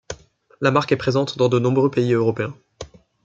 La marque est présente dans de nombreux pays européens.